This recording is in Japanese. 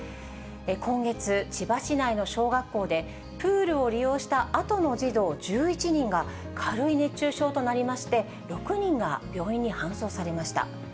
今月、千葉市内の小学校で、プールを利用したあとの児童１１人が、軽い熱中症となりまして、６人が病院に搬送されました。